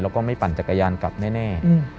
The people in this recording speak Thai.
แล้วก็ไม่ปั่นจักรยานกลับแน่